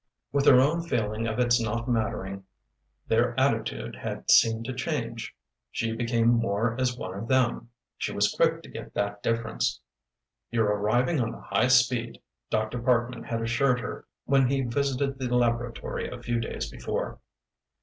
With her own feeling of its not mattering their attitude had seemed to change; she became more as one with them she was quick to get that difference. "You're arriving on the high speed," Dr. Parkman had assured her when he visited the laboratory a few days before.